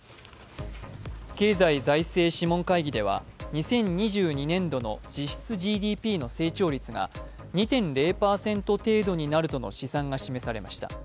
経済財政諮問会議では２０２２年度の実質ＧＤＰの成長率が２．０％程度になるとの試算が示されました。